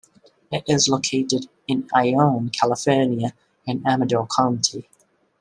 It is located in Ione, California, in Amador County.